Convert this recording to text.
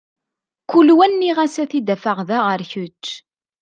Kul wa nniɣ-as ad t-id-afeɣ da ar kečč.